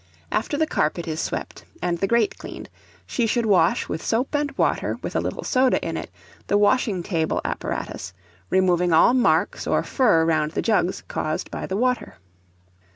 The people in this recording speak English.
After the carpet is swept, and the grate cleaned, she should wash with soap and water, with a little soda in it, the washing table apparatus, removing all marks or fur round the jugs, caused by the water.